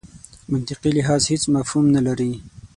منطقي لحاظ هېڅ مفهوم نه لري.